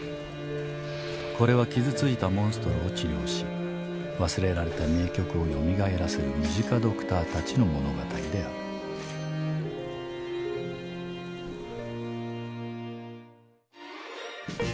これは傷ついたモンストロを治療し忘れられた名曲をよみがえらせるムジカドクターたちの物語であるうぅ！